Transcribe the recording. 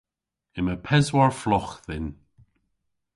Yma peswar flogh dhyn.